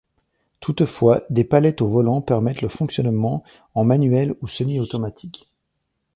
Toutefois, des palettes au volant permettent le fonctionnement en manuel ou semi-automatique.